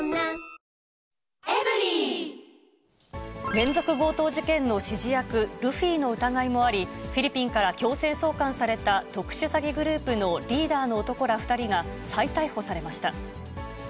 連続強盗事件の指示役、ルフィの疑いもあり、フィリピンから強制送還された特殊詐欺グループのリーダーの男ら２人が、再逮捕されました。